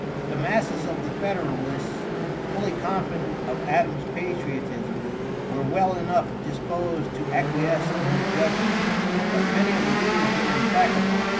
The masses of the federalists, fully confident of Adams' patriotism, were well enough disposed to acquiesce in his judgment; but many of the leaders were implacable.